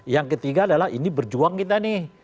yang ketiga adalah ini berjuang kita nih